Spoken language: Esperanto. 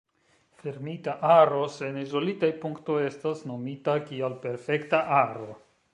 Fermita aro sen izolitaj punktoj estas nomita kiel perfekta aro.